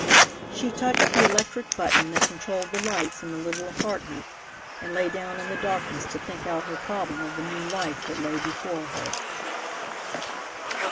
She touched the electric button that controlled the lights in the little apartment, and lay down in the darkness to think out her problem of the new life that lay before her.